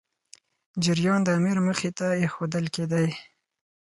جریان د امیر مخي ته ایښودل کېدی.